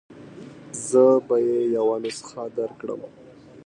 زه به يې یوه نسخه درکړم.